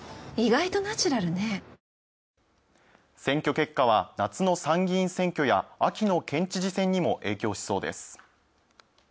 選挙結果は夏の衆議院選挙や秋の県知事選にも影響しそうです。